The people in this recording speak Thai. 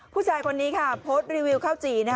ผู้ชายคนนี้ค่ะโพสต์รีวิวข้าวจี่